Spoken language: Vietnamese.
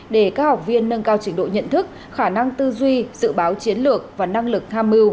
để các học viên nâng cao trình độ nhận thức khả năng tư duy dự báo chiến lược và năng lực tham mưu